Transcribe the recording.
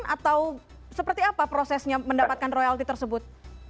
atau seperti apa prosesnya mendapatkan royalti tersebut